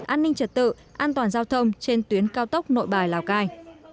an ninh trật tự an toàn giao thông trên tuyến cao tốc nội bài lào cai